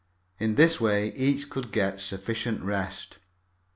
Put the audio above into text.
In this way each one could get sufficient rest.